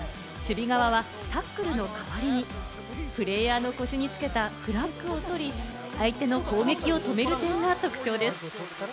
守備側はタックルの代わりにプレーヤーの腰につけたフラッグを取り、相手の攻撃を止める点が特徴です。